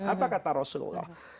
apa kata rasulullah